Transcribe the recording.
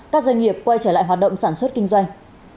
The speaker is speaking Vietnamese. các doanh nghiệp quay trở lại hoạt động sản xuất kinh doanh